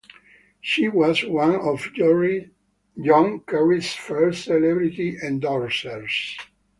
She was one of John Kerry's first celebrity endorsers.